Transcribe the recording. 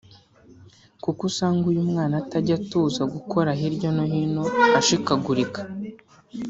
kuko usanga uyu mwana atajya atuza gukora hirya no hino ashikagurika”